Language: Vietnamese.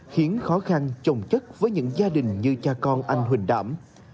khiến khó khăn trồng chất với những gia đình như cha con anh huỳnh đảm